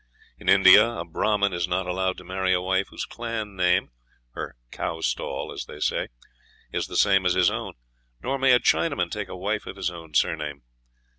In India a Brahman is not allowed to marry a wife whose clan name (her "cow stall," as they say) is the same as his own; nor may a Chinaman take a wife of his own surname.